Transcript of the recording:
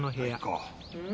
うん？